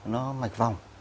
nó mạch vòng